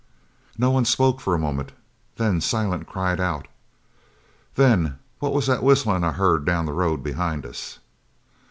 No one spoke for a moment. Then Silent cried out: "Then what was that whistlin' I've heard down the road behind us?"